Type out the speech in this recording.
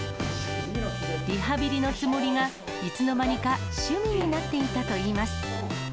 リハビリのつもりが、いつの間にか趣味になっていたといいます。